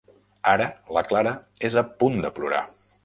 Ara la Clara és a punt de plorar.